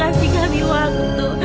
aida pasti akan bayar semuanya